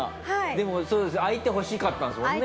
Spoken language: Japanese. でも相手欲しかったんですもんね。